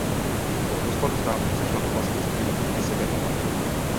Po rozpadu státu přešla do vlastnictví Republiky Severní Makedonie.